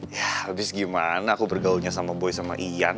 yah abis gimana aku bergaulnya sama boy sama ian